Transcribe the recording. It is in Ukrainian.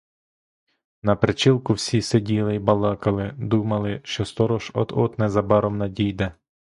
На причілку всі сиділи й балакали; думали, що сторож от-от незабаром надійде.